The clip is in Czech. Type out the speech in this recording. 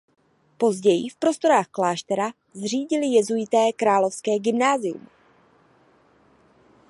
Později v prostorách kláštera zřídili jezuité Královské gymnázium.